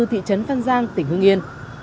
thị trấn phan giang tỉnh hương yên